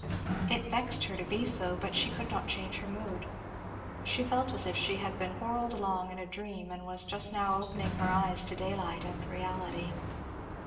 It vexed her to be so, but she could not change her mood. She felt as if she had been whirled along in a dream and was now just opening her eyes to daylight and reality.